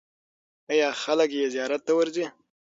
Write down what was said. آیا خلک یې زیارت ته ورځي؟